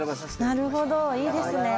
なるほどいいですね。